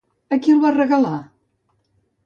A qui el va regalar?